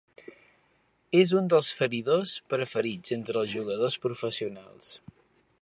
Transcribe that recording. És un dels feridors preferits entre els jugadors professionals.